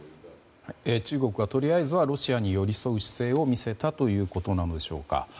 中国はとりあえずはロシアに寄り添う姿勢を見せたということなんでしょうか。